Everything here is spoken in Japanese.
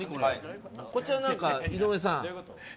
こちら、井上さん。